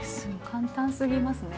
簡単すぎますね。